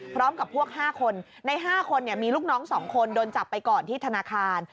พร้อมกับพวก๕คนใน๕คนมีลูกน้อง๒คนโดนจับไปก่อนที่ธนาคาร